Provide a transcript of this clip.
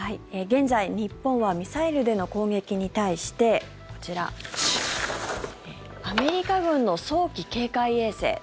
現在、日本はミサイルでの攻撃に対してアメリカ軍の早期警戒衛星